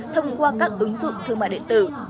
thông qua các ứng dụng thương mại điện tử